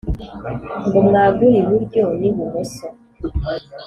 Ngo mwagure iburyo n`ibumoso